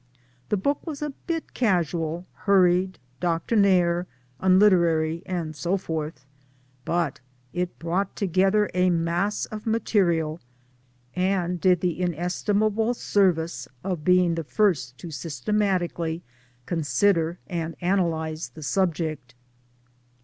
The book was a bit casual, hurried, doctrinaire, un literary, and so forth, but it brought together a mass of material, and did the inestimable service of being the first to systematically consider and analyse the subject.